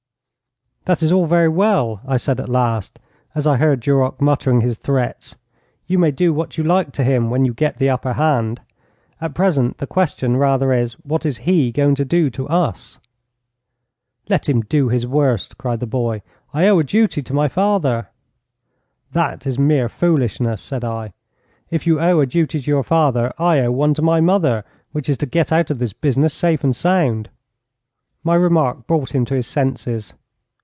'That is all very well,' I said at last, as I heard Duroc muttering his threats. 'You may do what you like to him when you get the upper hand. At present the question rather is, what is he going to do to us?' 'Let him do his worst!' cried the boy. 'I owe a duty to my father.' 'That is mere foolishness,' said I. 'If you owe a duty to your father, I owe one to my mother, which is to get out of this business safe and sound.' My remark brought him to his senses.